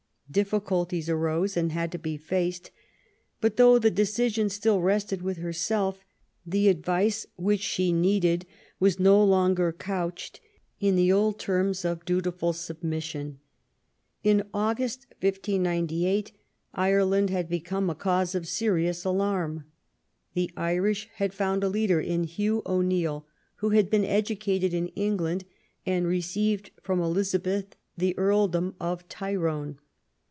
Diffi culties arose and had to be faced ; but though the decision still rested with herself, the advice which she needed was no longer couched in the old terms of dutiful submission. In August, 1598, Ireland had become a cause of serious alarm. The Irish had found a leader in Hugh O'Neill, who had been educated in England, and received from Elizabeth the Earldom of Tyrone.